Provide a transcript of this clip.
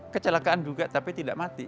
kecelakaan juga tapi tidak mati